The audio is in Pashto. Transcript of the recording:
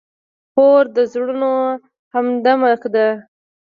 خور د زړونو همدمه ده.